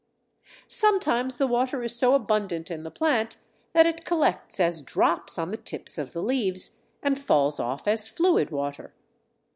Sometimes the water is so abundant in the plant that it collects as drops on the tips of the leaves and falls off as fluid water.